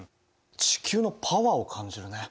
地球のパワーを感じるね。